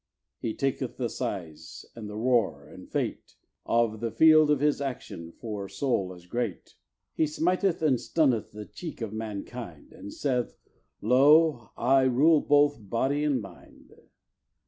He taketh the size, and the roar, and fate, Of the field of his action, for soul as great: He smiteth and stunneth the cheek of mankind, And saith "Lo! I rule both body and mind."